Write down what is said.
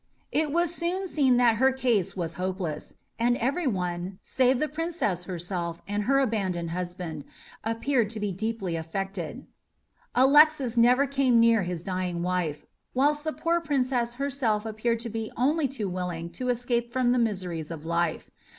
It was soon seen that her case was hopeless; and every one, save the Princess herself, and her abandoned husband, appeared to be deeply affected. Alexis never came near his dying wife, whilst the poor Princess herself appeared to be only too willing to escape from the miseries of life.